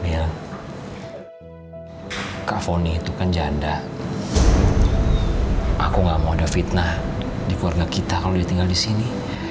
mil kak fonny itu kan janda aku gak mau ada fitnah di keluarga kita kalo dia tinggal disini